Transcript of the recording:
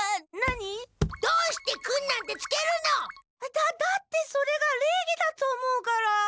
だだってそれがれいぎだと思うから。